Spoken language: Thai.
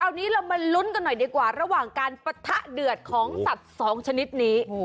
อันนี้เรามาลุ้นกันหน่อยดีกว่าระหว่างการปะทะเดือดของสัตว์สองชนิดนี้